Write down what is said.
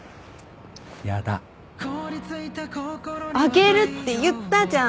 あげるって言ったじゃん！